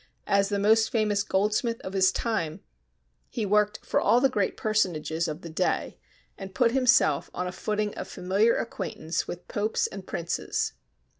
As the most famous goldsmith of his time, he worked for all the great personages of the day, and put himself on a footing of familiar acquaintance with popes and princes.